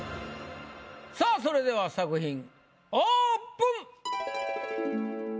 さあそれでは作品オープン！